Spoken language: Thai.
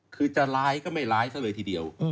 คือจะร้ายก็ไม่ร้ายซะเลยทีเดียว